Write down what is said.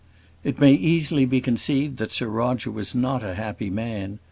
It may easily be conceived that Sir Roger was not a happy man.